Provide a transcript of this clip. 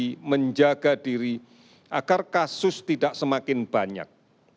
dan menjaga diri agar kasus tidak semakin banyak